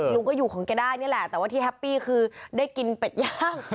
ลุงก็อยู่ของแกได้นี่แหละแต่ว่าที่แฮปปี้คือได้กินเป็ดย่าง